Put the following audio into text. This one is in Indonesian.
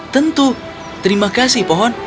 tentu terima kasih pohon